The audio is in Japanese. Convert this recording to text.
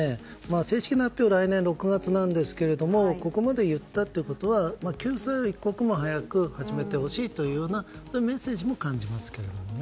正式な発表は来年６月ですがここまで言ったということは救済は一刻も早く始めてほしいというようなメッセージも感じますけどね。